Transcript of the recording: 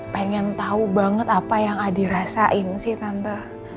pengen tahu banget apa yang adi rasain sih tante